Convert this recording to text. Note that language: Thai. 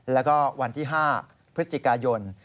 แล้วก็วันที่๕พฤศจิกายน